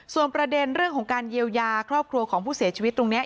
ส่วนประเด็นเรื่องของการเยียวยาครอบครัวของผู้เสียชีวิตตรงนี้